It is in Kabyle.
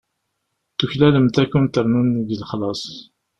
Tuklalemt ad kunt-rnun deg lexlaṣ.